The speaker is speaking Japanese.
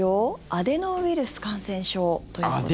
アデノウイルス感染症ということです。